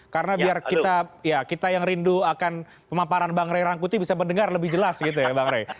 karena biar kita yang rindu akan pemamparan bang rey rangkuti bisa mendengar lebih jelas gitu ya bang rey